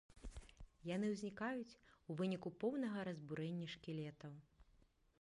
Яны ўзнікаюць у выніку поўнага разбурэння шкілетаў.